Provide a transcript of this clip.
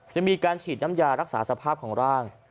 จะมีการฉีดน้ำยารักษาสภาพของร่าง